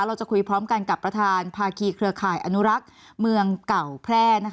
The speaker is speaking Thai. เราจะคุยพร้อมกันกับประธานภาคีเครือข่ายอนุรักษ์เมืองเก่าแพร่